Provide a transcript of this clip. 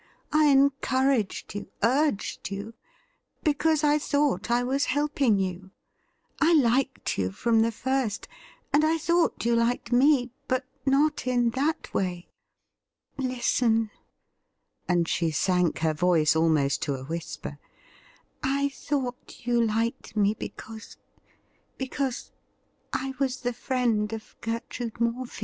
I encouraged you, urged vou, because I thought I was helping you. I liked you from the first, and I thought you liked me, but not in that way. Listen' — and she sank her voice almost to a whisper — 'I thought you liked me because — ^because — I was the friend of Gertrude Morefield